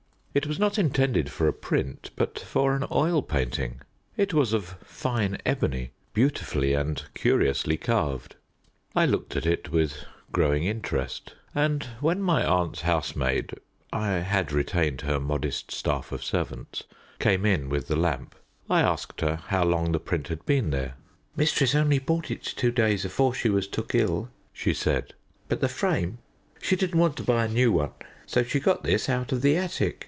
It was not intended for a print, but for an oil painting. It was of fine ebony, beautifully and curiously carved. I looked at it with growing interest, and when my aunt's housemaid I had retained her modest staff of servants came in with the lamp, I asked her how long the print had been there. "Mistress only bought it two days afore she was took ill," she said; "but the frame she didn't want to buy a new one so she got this out of the attic.